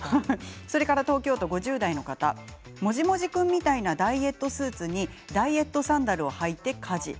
東京都５０代の方、もじもじ君みたいなダイエットスーツにダイエットサンダルを履いて家事。